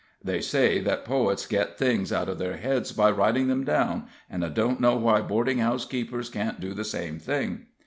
They say that poets get things out of their heads by writing them down, and I don't know why boarding house keepers can't do the same thing.